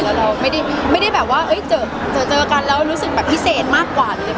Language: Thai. แล้วไม่ได้แบบเจอกันแล้วรู้สึกพิเศษมากกว่าเลย